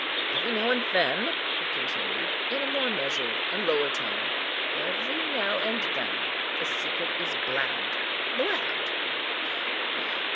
Every now and then," he continued in a more measured and lower tone, "every now and then the secret is blabbed—blabbed.